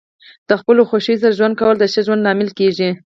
د خپلو خوښیو سره ژوند کول د ښه ژوند لامل کیږي.